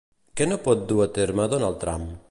Què no pot dur a terme Donald Trump?